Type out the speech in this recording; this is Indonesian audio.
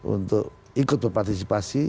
untuk ikut berpartisipasi